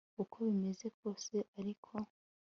uko bimeze kose ariko